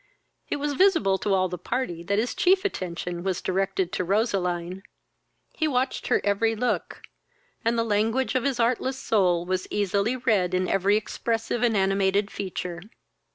It was visible to all the party that his chief attention was directed to Roseline. He watched her every look, and the language of his artless soul was easily read in every expressive and animated feature.